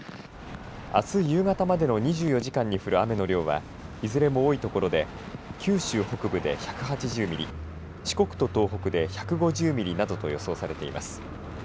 あす夕方までの２４時間に降る雨の量はいずれも多い所で九州北部で、１８０ミリ四国と東北で１５０ミリなどと予想されています。